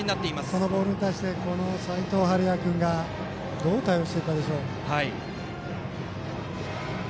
このボールに対して齋藤敏哉君がどう対応していくかです。